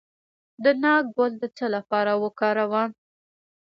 د ناک ګل د څه لپاره وکاروم؟